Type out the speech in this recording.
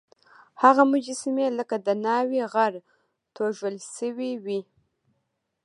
هغه مجسمې لکه د ناوکۍ غر توږل سوی وې.